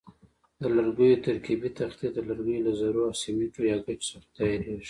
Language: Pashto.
د لرګیو ترکیبي تختې د لرګیو له ذرو او سیمټو یا ګچو څخه تیاریږي.